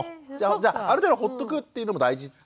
じゃある程度ほっとくっていうのも大事っていう。